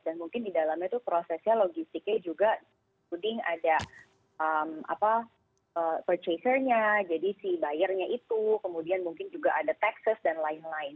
dan mungkin di dalamnya itu prosesnya logistiknya juga kemudian ada purchasernya jadi si bayarnya itu kemudian mungkin juga ada tekses dan lain lain